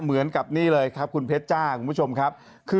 เหมือนกับนี่เลยครับคุณเพชรจ้าคุณผู้ชมครับ